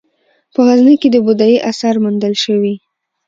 په غزني کې د بودايي اثار موندل شوي